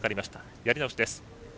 やり直しです。